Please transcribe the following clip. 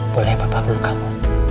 boleh papa berubah kamu